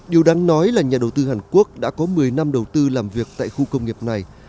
điều đáng nói là nhà đầu tư hàn quốc đã có một mươi năm đầu tư làm việc tại khu công nghiệp này